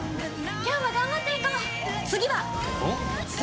きょうも頑張っていこう！